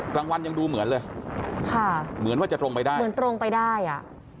กลางวันยังดูเหมือนเลยค่ะเหมือนว่าจะตรงไปได้เหมือนตรงไปได้อ่ะ